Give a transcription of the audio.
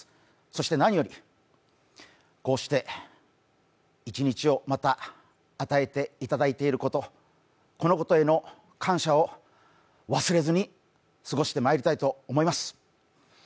そして何より、こうして、一日をまた与えていただいていること、このことへの感謝を忘れずに過ごしてまいりたいと思います。